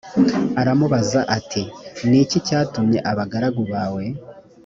aramubaza ati ni iki cyatumye abagaragu bawe